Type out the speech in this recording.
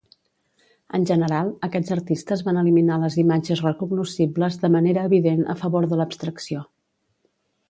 En general, aquests artistes van eliminar les imatges recognoscibles de manera evident a favor de l'abstracció.